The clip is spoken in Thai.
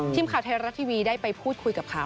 ทีมข่าวไทยรัฐทีวีได้ไปพูดคุยกับเขา